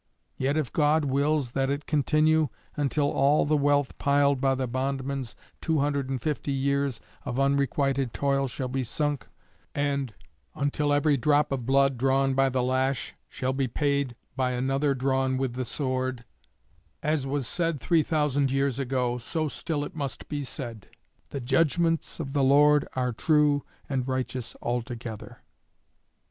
Yet if God wills that it continue until all the wealth piled by the bondman's two hundred and fifty years of unrequited toil shall be sunk, and until every drop of blood drawn by the lash shall be paid by another drawn with the sword, as was said three thousand years ago, so still it must be said: "The judgments of the Lord are true and righteous altogether."